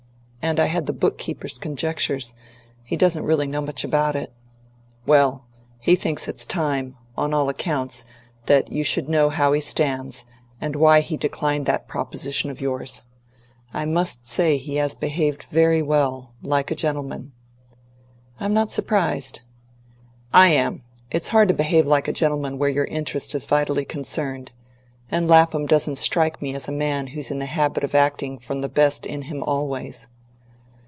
And I had the book keeper's conjectures he doesn't really know much about it." "Well, he thinks it time on all accounts that you should know how he stands, and why he declined that proposition of yours. I must say he has behaved very well like a gentleman." "I'm not surprised." "I am. It's hard to behave like a gentleman where your interest is vitally concerned. And Lapham doesn't strike me as a man who's in the habit of acting from the best in him always."